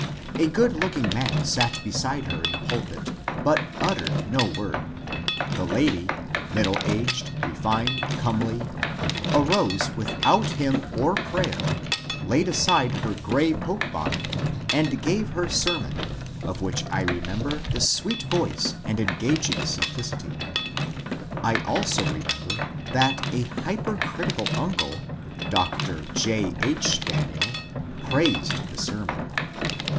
A good looking man sat beside her in the pulpit, but uttered no word ; the lady — middle aged, refined, comely — arose without hymn or prayer, laid FALMOUTH CHURCH 43 aside her grey poke bonnet, and gave her sermon, of which I remember the sweet voice and engaging simplicity. I also remember that a hyperoritioal uncle, Dr. J. H. Daniel, praised the sermon.